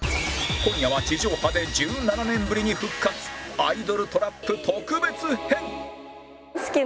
今夜は地上波で１７年ぶりに復活アイドルトラップ特別編